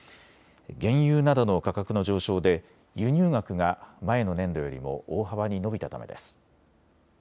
原油などの価格の上昇で輸入額が前の年度よりも大幅に伸びたためです。